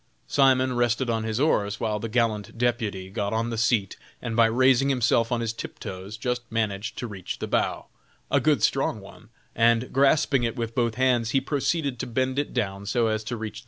Simon rested on his oars, while the gallant deputy got on the seat, and by raising himself on his tip toes, just managed to reach the bough, a good strong one, and, grasping it with both hands, he proceeded to bend it down so as to reach the fruit.